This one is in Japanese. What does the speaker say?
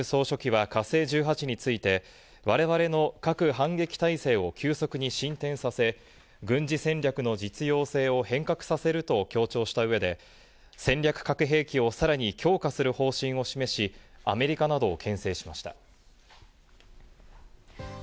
キム総書記は「火星１８」について、我々の核反撃態勢を急速に進展させ、軍事戦略の実用性を変革させると強調した上で、戦略核兵器をさらに強化する方針を示し、アメリカなどをけん制しました。